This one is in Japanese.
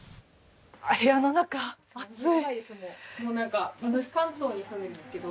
部屋の中、暑い。